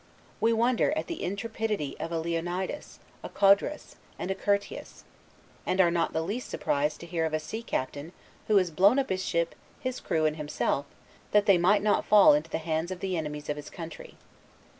We wonder at the intrepidity of a Leonidas, a Codrus, and a Curtius; and are not the least surprised to hear of a sea captain, who has blown up his ship, his crew, and himself, that they might not fall into the hands of the enemies of his country.